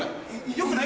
良くない？